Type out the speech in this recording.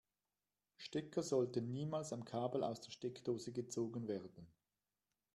Stecker sollten niemals am Kabel aus der Steckdose gezogen werden.